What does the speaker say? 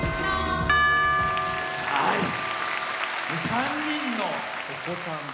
３人のお子さん。